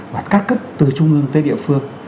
và các cấp từ trung ương tới địa phương